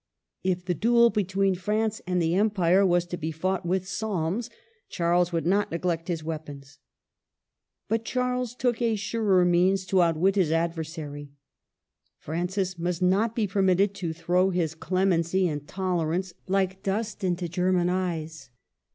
If the duel be tween France and the Empire was to be fought with psalms, Charles would not neglect his weapons. But Charles took a surer means to outwit his adversary. Francis must not be permitted to throw his clemency and tolerance like dust into German eyes.